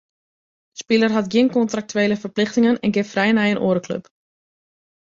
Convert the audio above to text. De spiler hat gjin kontraktuele ferplichtingen en kin frij nei in oare klup.